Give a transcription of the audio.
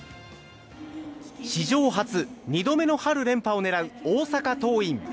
史上初、２度目の春連覇を狙う大阪桐蔭。